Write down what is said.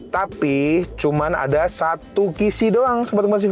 tapi cuman ada satu kisi doang sobatkomunikasi tv